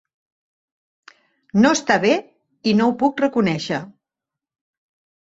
No està bé, i no ho puc reconèixer.